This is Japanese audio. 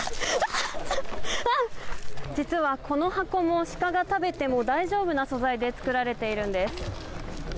実はこの箱も、鹿が食べても大丈夫な素材で作られているんです。